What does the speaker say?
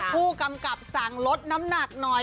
ผู้กำกับสั่งลดน้ำหนักหน่อย